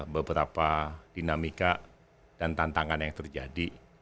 beberapa dinamika dan tantangan yang terjadi